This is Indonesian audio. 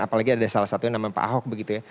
apalagi ada salah satunya nama pak ahok begitu ya